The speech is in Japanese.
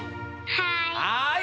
はい。